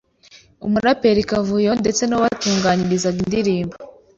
umuraperi Kavuyo ndetse n’uwabatunganyirizaga indirimbo